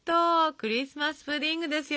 クリスマス・プディングですよ